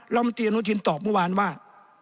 ลำตีอนุทินตอบเมื่อวานว่า